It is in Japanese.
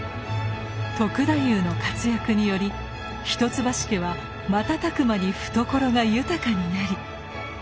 篤太夫の活躍により一橋家は瞬く間に懐が豊かになり。